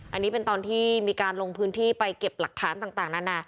อันนี้เป็นตอนที่มีการลงพื้นที่ไปเก็บหลักฐานต่างนานา